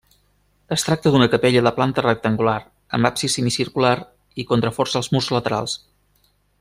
Es tracta d'una capella de planta rectangular amb absis semicircular i contraforts als murs laterals.